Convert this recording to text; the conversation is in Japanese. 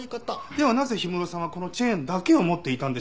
ではなぜ氷室さんはこのチェーンだけを持っていたんでしょう？